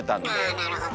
あなるほど。